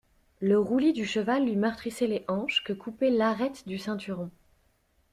Le roulis du cheval lui meurtrissait les hanches, que coupait l'arête du ceinturon.